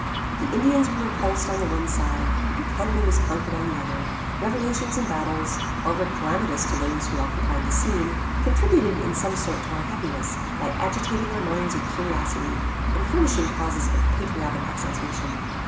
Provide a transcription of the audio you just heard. The Indians were repulsed on the one side, and Canada was conquered on the other. Revolutions and battles, however calamitous to those who occupied the scene, contributed in some sort to our happiness, by agitating our minds with curiosity, and furnishing causes of patriotic exultation.